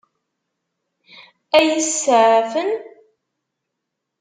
Ad iyi-iseɛfen?